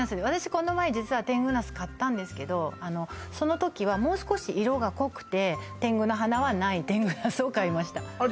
この前実は天狗なす買ったんですけどあのその時はもう少し色が濃くて天狗の鼻はない天狗なすを買いましたあっ